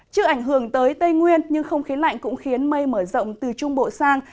chưa ảnh hưởng tới tây nguyên nhưng không khí lạnh cũng khiến mây mở rộng từ trung bộ sang